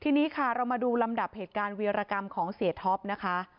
ทีนี้ค่ะเรามาดูลำดับเหตุการณ์เวียรกรรมของเสียท็อปนะคะ